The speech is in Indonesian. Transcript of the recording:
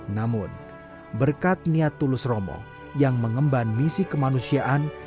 namun berkat niat tulus romo yang mengemban misi kemanusiaan